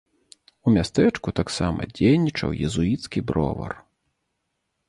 У мястэчку таксама дзейнічаў езуіцкі бровар.